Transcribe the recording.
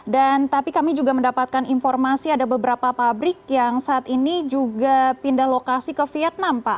dan tapi kami juga mendapatkan informasi ada beberapa pabrik yang saat ini juga pindah lokasi ke vietnam pak